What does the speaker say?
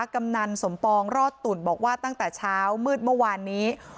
กำนันสมปองรอดตุ่นบอกว่าตั้งแต่เช้ามืดเมื่อวานนี้